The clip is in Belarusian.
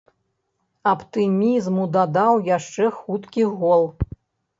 Аптымізму дадаў яшчэ хуткі гол.